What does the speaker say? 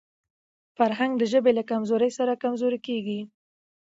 فرهنګ د ژبي له کمزورۍ سره کمزورې کېږي.